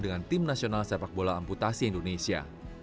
dengan tim nasional sepak bola amputasi indonesia